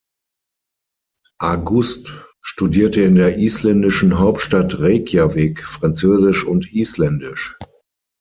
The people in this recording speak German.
Ágúst studierte in der isländischen Hauptstadt Reykjavík Französisch und Isländisch.